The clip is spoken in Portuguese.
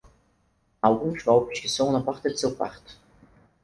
Há alguns golpes que soam na porta do seu quarto.